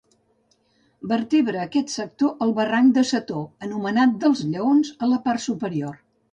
Vertebra aquest sector el barranc de Setó, anomenat dels Lleons a la part superior.